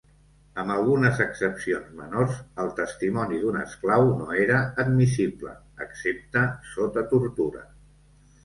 Amb algunes excepcions menors, el testimoni d'un esclau no era admissible, excepte sota tortura.